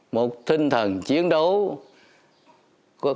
một tinh thần chiến đấu